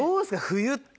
冬って。